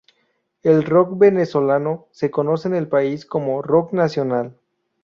El rock Venezolano, se conoce en el país como "rock nacional".